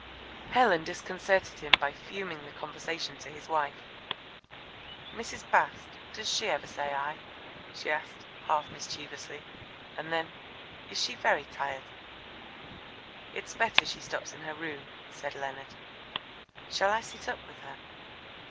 Helen disconcerted him by fuming the conversation to his wife. "Mrs. Bast does she ever say 'I'?" she asked, half mischievously, and then, "Is she very tired?" "It's better she stops in her room," said Leonard. "Shall I sit up with her?"